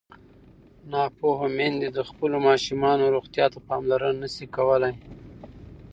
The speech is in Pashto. ناپوهه میندې د خپلو ماشومانو روغتیا ته پاملرنه نه شي کولی.